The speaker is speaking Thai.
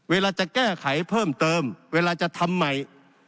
เวลาจะแก้ไขเพิ่มเติมเวลาจะทำใหม่